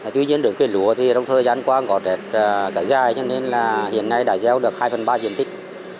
tuy nhiên đường cây lúa trong thời gian qua có đẹp cả dài cho nên hiện nay đã gieo được hai phần ba diện tích